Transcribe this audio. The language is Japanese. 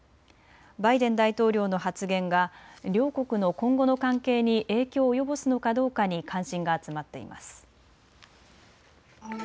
バイデン大統領の発言が両国の今後の関係に影響を及ぼすのかどうかに関心が集まっています。